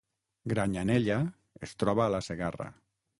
Granyanella es troba a la Segarra